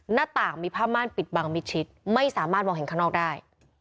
หน้าต่างมีผ้าม่านปิดบังมิดชิดไม่สามารถมองเห็นข้างนอกได้